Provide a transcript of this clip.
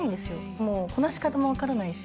もうこなし方も分からないし